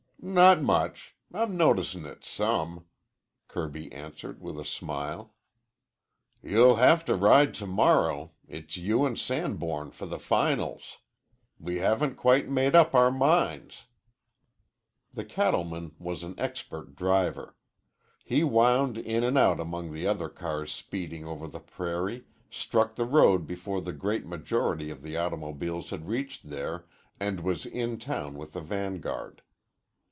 "Not much. I'm noticin' it some," Kirby answered with a smile. "You'll have to ride to morrow. It's you and Sanborn for the finals. We haven't quite made up our minds." The cattleman was an expert driver. He wound in and out among the other cars speeding over the prairie, struck the road before the great majority of the automobiles had reached there, and was in town with the vanguard.